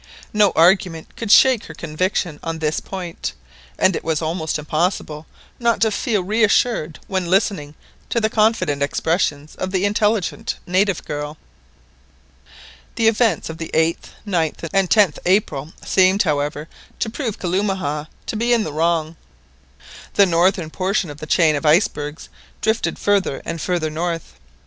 No argument could shake her conviction on this point, and it was almost impossible not to feel reassured when listening to the confident expressions of the intelligent native girl. The events of the 8th, 9th, and 10th April, seemed, however, to prove Kalumah to be in the wrong. The northern portion of the chain of icebergs drifted farther and farther north.